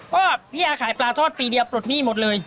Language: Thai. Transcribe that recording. ก็พี่อาขายปลาทอดปีเดียวปลดหนี้หมดเลย